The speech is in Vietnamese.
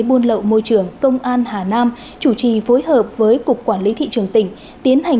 buôn lậu môi trường công an hà nam chủ trì phối hợp với cục quản lý thị trường tỉnh tiến hành